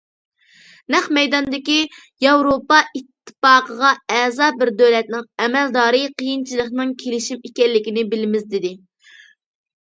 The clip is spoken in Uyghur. نەق مەيداندىكى ياۋروپا ئىتتىپاقىغا ئەزا بىر دۆلەتنىڭ ئەمەلدارى قىيىنچىلىقنىڭ كېلىشىم ئىكەنلىكىنى بىلىمىز دېدى.